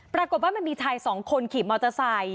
ปรากฏว่ามันมีชายสองคนขี่มอเตอร์ไซค์